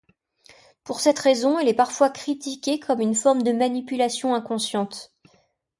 Pour cette raison, elle est parfois critiquée comme une forme de manipulation inconsciente.